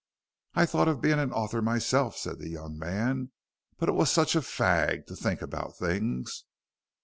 "I thought of being an author myself," said the young man, "but it was such a fag to think about things."